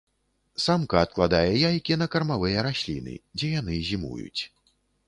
Самка адкладае яйкі на кармавыя расліны, дзе яны зімуюць.